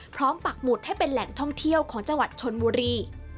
ปักหมุดให้เป็นแหล่งท่องเที่ยวของจังหวัดชนบุรี